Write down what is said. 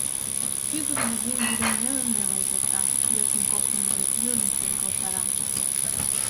Пӱгыр Любим вӱдым нелын-нелын колта, йӧсын кокырымо йӱк южым сургалтара.